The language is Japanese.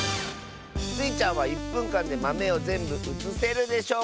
スイちゃんは１ぷんかんでまめをぜんぶうつせるでしょうか？